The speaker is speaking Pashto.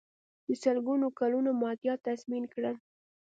د سلګونو کلونو مادیات تضمین کړل.